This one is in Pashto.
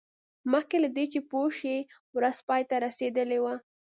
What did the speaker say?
مخکې له دې چې پوه شي ورځ پای ته رسیدلې وه